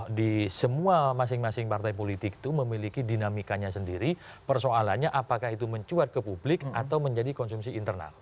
jadi semua masing masing partai politik itu memiliki dinamikanya sendiri persoalannya apakah itu mencuat ke publik atau menjadi konsumsi internal